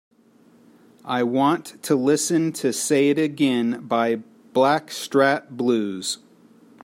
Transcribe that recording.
i want to listen to Say It Again by Blackstratblues